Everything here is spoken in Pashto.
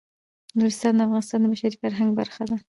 نورستان د افغانستان د بشري فرهنګ برخه ده.